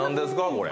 これ。